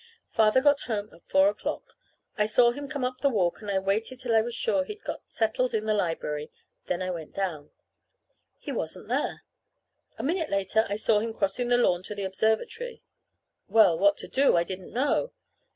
Father got home at four o'clock. I saw him come up the walk, and I waited till I was sure he'd got settled in the library, then I went down. He wasn't there. A minute later I saw him crossing the lawn to the observatory. Well, what to do I didn't know.